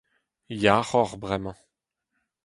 Yac'h oc'h bremañ.